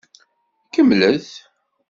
Kemmlet.